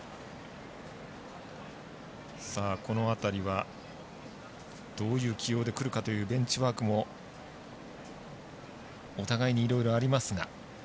この辺りはどういう起用でくるかというベンチワークもお互いにいろいろありますが。